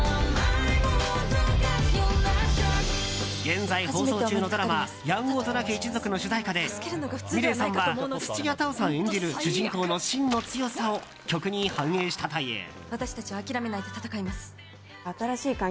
現在放送中のドラマ「やんごとなき一族」の主題歌でｍｉｌｅｔさんは土屋太鳳さん演じる主人公の芯の強さを曲に反映したという。